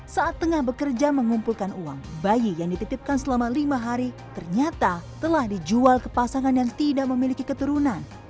saat tengah bekerja mengumpulkan uang bayi yang dititipkan selama lima hari ternyata telah dijual ke pasangan yang tidak memiliki keturunan